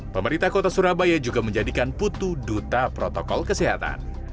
pemerintah kota surabaya juga menjadikan putu duta protokol kesehatan